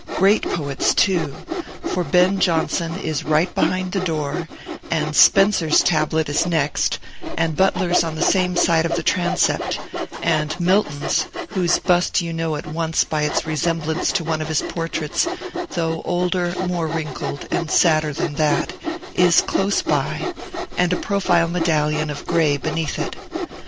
Great poets, too; for Ben Jenson is right behind the door, and Spenser's tablet is next, and Butler's on the same side of the transept, and Milton's (whose bust you know at once by its resemblance to one of his portraits, though older, more wrinkled, and sadder than that) is close by, and a profile medallion of Gray beneath it.